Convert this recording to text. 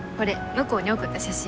向こうに送った写真。